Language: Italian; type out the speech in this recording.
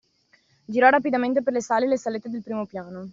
Girò rapidamente per le sale e le salette del primo piano.